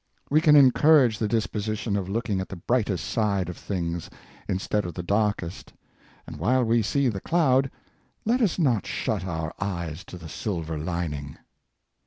We can encourage the disposition of look ing at the brightest side of things, instead of the dark est. And while we see the cloud, let us not shut our eyes to the silver lining.